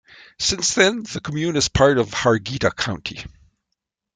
Since then, the commune is part of Harghita County.